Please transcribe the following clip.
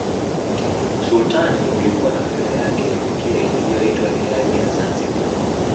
Usultani ulikuwa na fedha yake ya pekee iliyoitwa Riali ya Zanzibar